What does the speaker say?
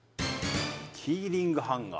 「キーリングハンガー」